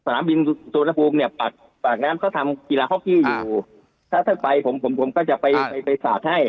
สนามบิงสูตรภูมิเนี่ยปรากน้ำก็ทำกีฬาฮอคกี้อยู่ถ้าถ้าไปผมผมผมผมก็จะไปไปไปสาธิ้่งให้